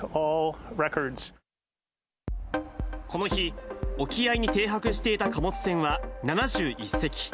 この日、沖合に停泊していた貨物船は７１隻。